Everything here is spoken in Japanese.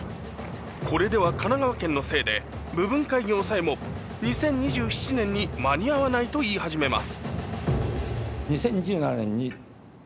海譴任神奈川県のせいで部分開業さえも横娃横年に間に合わないと言い始めます。